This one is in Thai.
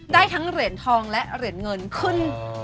ได้ทั้งเหรียญทองและเหรียญเงินขึ้น